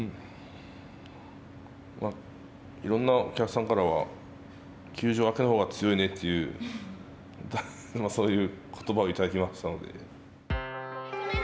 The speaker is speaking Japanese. いろんな、お客さんからは、休場明けのほうが強いねというそういうことばをいただきましたので。